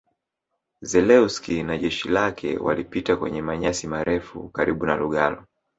Zelewski na jeshi lake walipita kwenye manyasi marefu karibu na Lugalo